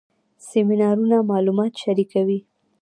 سیمینارونه معلومات شریکوي